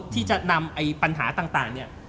ที่จะนำปัญหาต่าง